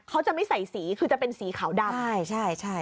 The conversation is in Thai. เขาจะไม่ใส่สีคือจะเป็นสีขาวดำใช่ใช่